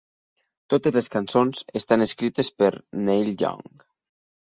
Totes les cançons estan escrites per Neil Young.